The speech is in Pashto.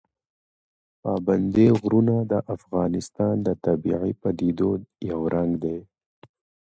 پابندی غرونه د افغانستان د طبیعي پدیدو یو رنګ دی.